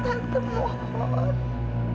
saya ingin bisa berkenan di hari ini